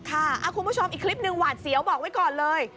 คุณผู้ชมอีกคลิปหนึ่งหวาดเสียวบอกไว้ก่อนเลย